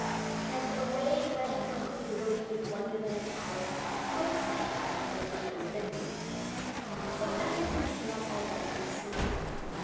And away ran Uncle Wiggily with Wonderland Alice, who had saved him from being bitten. So everything came out all right, you see.